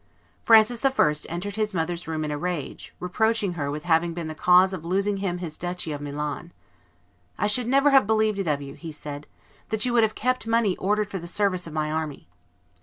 Francis I. entered his mother's room in a rage, reproaching her with having been the cause of losing him his duchy of Milan. "I should never have believed it of you," he said, "that you would have kept money ordered for the service of my army."